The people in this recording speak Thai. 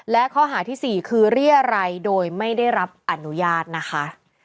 และข้อหาที่๔คือเรียรัยโดยไม่ได้รับอนุญาตนะคะ